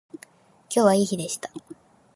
今日はいい日でした